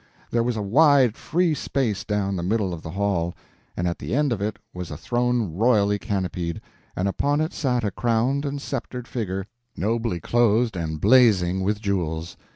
There was a wide free space down the middle of the hall, and at the end of it was a throne royally canopied, and upon it sat a crowned and sceptered figure nobly clothed and blazing with jewels.